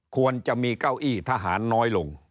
ควรจะมีเก้าอี้ทหารน้อยลง